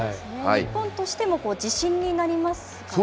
日本としても自信になりますかね。